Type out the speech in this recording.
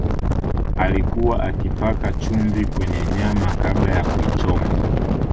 alikuwa akipaka chumvi kwenye nyama kabla ya kuichoma